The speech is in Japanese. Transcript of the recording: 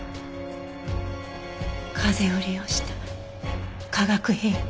風を利用した科学兵器。